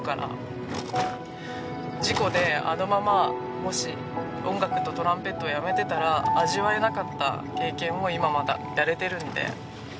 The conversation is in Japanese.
事故であのままもし音楽とトランペットをやめてたら味わえなかった経験を今まだやれているのでこの先